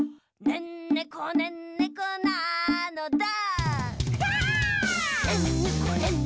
「ねんねこねんねこなのだ」